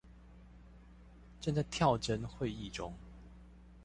正在跳針會議中